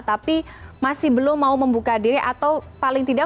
tapi masih belum mau membuka diri atau paling tidak